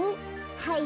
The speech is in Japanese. はい。